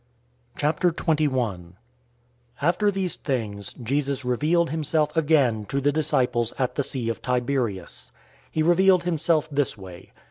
021:001 After these things, Jesus revealed himself again to the disciples at the sea of Tiberias. He revealed himself this way.